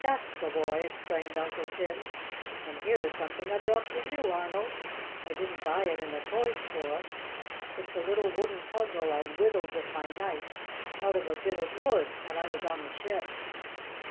"That's the boy!" exclaimed Uncle Tim. "And here is something I brought for you, Arnold. I didn't buy it in a toy store. It's a little wooden puzzle I whittled with my knife out of a bit of wood when I was on the ship."